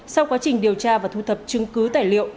sau quá trình điều tra và thu thập chứng cứ tài liệu